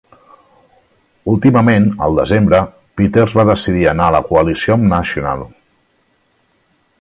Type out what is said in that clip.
Últimament, al desembre, Peters va decidir anar a la coalició amb National.